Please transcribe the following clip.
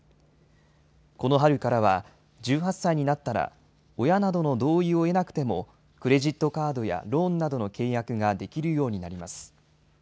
この春からは１８歳になったら、親などの同意を得なくてもクレジットカードやローンなどの契約ができるようになります。